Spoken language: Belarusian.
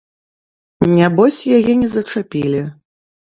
Нябось яе не зачапілі.